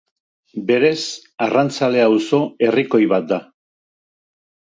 Berez arrantzale auzo herrikoi bat da.